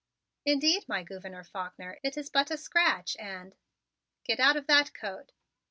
"Indeed, my Gouverneur Faulkner, it is but a scratch and " "Get out of that coat!"